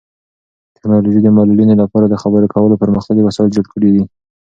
ټیکنالوژي د معلولینو لپاره د خبرو کولو پرمختللي وسایل جوړ کړي دي.